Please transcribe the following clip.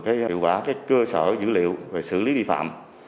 hiệu quả cơ sở dữ liệu về xử lý vi phạm